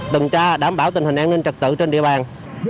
từng tra đảm bảo tình hình an ninh trật tự trên địa bàn